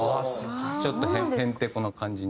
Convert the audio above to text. ちょっとへんてこの感じに。